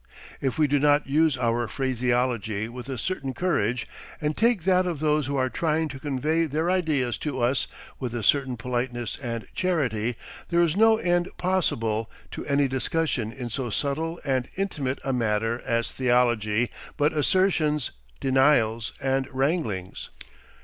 If we do not use our phraseology with a certain courage, and take that of those who are trying to convey their ideas to us with a certain politeness and charity, there is no end possible to any discussion in so subtle and intimate a matter as theology but assertions, denials, and wranglings.